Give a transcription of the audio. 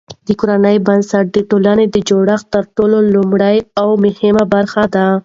د کورنۍ بنسټ د ټولني د جوړښت تر ټولو لومړۍ او مهمه برخه ده.